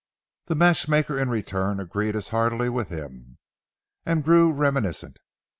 The matchmaker in return agreed as heartily with him, and grew reminiscent.